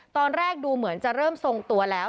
ตอนแรกดูเหมือนจะเริ่มทรงตัวแล้ว